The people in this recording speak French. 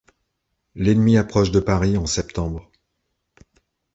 L'ennemi approche de Paris en septembre.